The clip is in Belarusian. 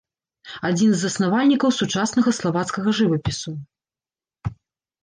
Адзін з заснавальнікаў сучаснага славацкага жывапісу.